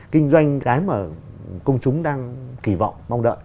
kinh doanh cái mà công chúng đang kỳ vọng mong đợi